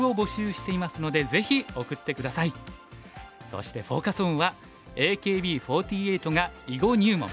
そしてフォーカス・オンは「ＡＫＢ４８が囲碁入門！